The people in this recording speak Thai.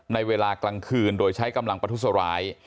ในเวลากลางคืนโดยใช้กำลังประทุษร้าย